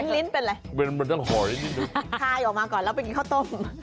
ลิ้นเป็นอะไรมันต้องหอยนิดนึงทายออกมาก่อนแล้วไปกินข้าวต้ม